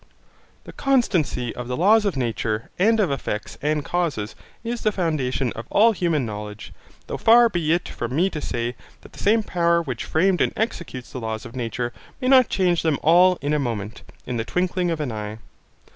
The constancy of the laws of nature and of effects and causes is the foundation of all human knowledge, though far be it from me to say that the same power which framed and executes the laws of nature may not change them all 'in a moment, in the twinkling of an eye.'